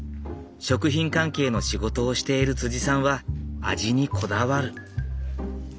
食品関係の仕事をしているさんは味にこだわる。